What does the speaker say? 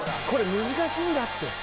これ、難しいんだって。